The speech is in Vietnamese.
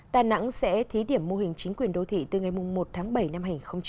đà nẵng sẽ thí điểm mô hình chính quyền đô thị từ ngày một tháng bảy năm hai nghìn hai mươi